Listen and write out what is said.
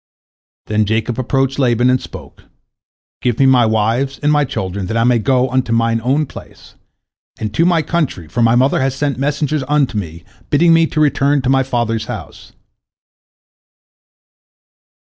Then Jacob approached Laban, and spoke, "Give me my wives and my children, that I may go unto mine own place, and to my country, for my mother has sent messengers unto me, bidding me to return to my father's house."